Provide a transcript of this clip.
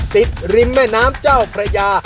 ริมแม่น้ำเจ้าพระยา